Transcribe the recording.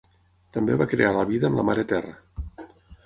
També va crear la vida amb la Mare Terra.